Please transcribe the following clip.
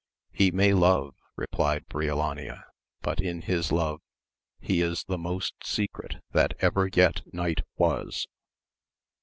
He may love, replied Briolania, but in his love he is the most secret that ever yet knight was.